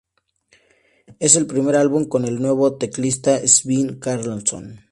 Es el primer álbum con el nuevo teclista, Sven Karlsson.